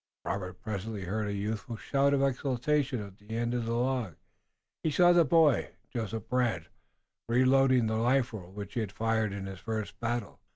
Robert presently heard a youthful shout of exultation at the far end of the log, and he saw the boy, Joseph Brant, reloading the rifle which he had fired in his first battle.